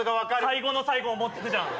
最後の最後を持ってくじゃん。